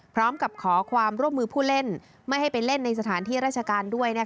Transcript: พร้อมกับขอความร่วมมือผู้เล่นไม่ให้ไปเล่นในสถานที่ราชการด้วย